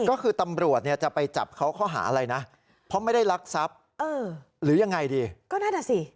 ก็คือตำรวจจะไปจับเขาเข้าหาอะไรนะเพราะไม่ได้รักทรัพย์หรือยังไงดี